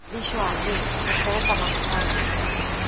Díxoo aquí, en sede parlamentaria.